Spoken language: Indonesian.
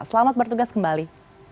selamat bertugas kembali